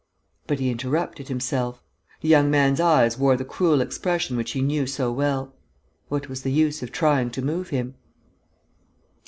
But he interrupted himself. The young man's eyes wore the cruel expression which he knew so well. What was the use of trying to move him?